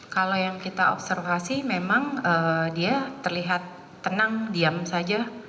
kalau yang kita observasi memang dia terlihat tenang diam saja